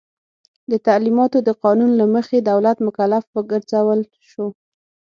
د تعلیماتو د قانون له مخي دولت مکلف وګرځول سو.